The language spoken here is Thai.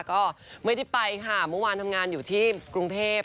ก็ไม่ได้ไปค่ะเมื่อวานทำงานอยู่ที่กรุงเทพ